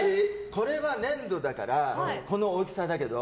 これは粘土だからこの大きさだけど。